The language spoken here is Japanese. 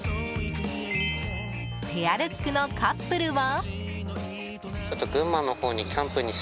ペアルックのカップルは。